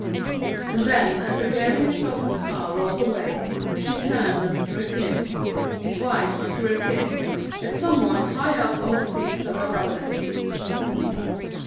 And then as the Glaring at Gotham car rolled away she turned and threw a kiss—his wife threw a kiss—at some one high up on the seats of the Rubberneck.